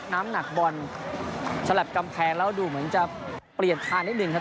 น้ำหนักบอลสลับกำแพงแล้วดูเหมือนจะเปลี่ยนทานนิดนึงครับ